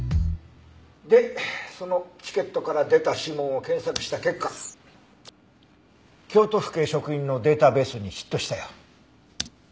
でそのチケットから出た指紋を検索した結果京都府警職員のデータベースにヒットしたよ。